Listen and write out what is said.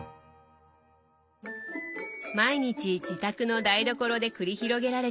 毎日自宅の台所で繰り広げられている実験